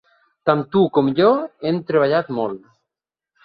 Tant tu com jo hem treballat molt